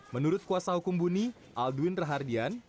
menurut kuasa hukum buni aldwin rahardian